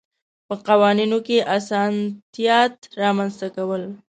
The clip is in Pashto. په قوانینو کې اسانتیات رامنځته کول.